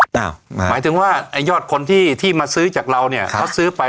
อ้าวอ้าวหมายถึงว่ายอดคนที่ที่มาซื้อจากเราเนี่ยเขาซื้อไป